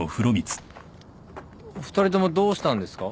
お二人ともどうしたんですか？